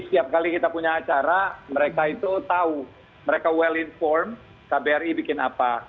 setiap kali kita punya acara mereka itu tahu mereka well informed kbri bikin apa